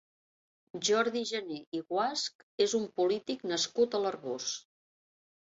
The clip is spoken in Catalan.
Jordi Jané i Guasch és un polític nascut a l'Arboç.